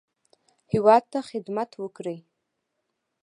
هیواد ته خدمت وکړي.